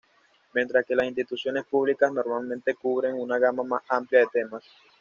Mientras que las instituciones públicas normalmente cubren una gama más amplia de temas.